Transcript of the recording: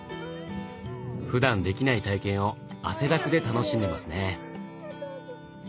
ふだんできない体験を汗だくで楽しんでますね。